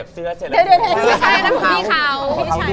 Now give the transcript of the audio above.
เพลงอะไรเพลงอะไร